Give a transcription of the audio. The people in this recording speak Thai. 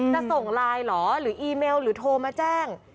จะส่งไลน์เหรอหรืออีเมลหรือโทรมาแจ้ง